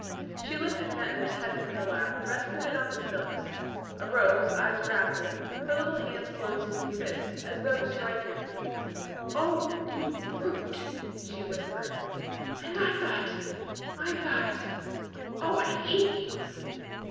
She lifted Ventnor's head from her lap, rested it on the silks; arose, eyes wrathful, her little hands closed in fists as though to strike him. "Oh you brute!" she whispered. "And I thought I thought Oh, I hate you!"